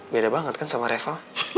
beda banget kan sama reva